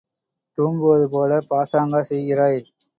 தூங்குவது போல பாசாங்கா செய்கிறாய்!